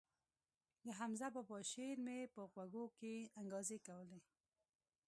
د حمزه بابا شعر مې په غوږو کښې انګازې کولې.